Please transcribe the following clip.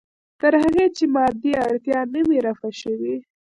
تر هغې چې مادي اړتیا نه وي رفع شوې.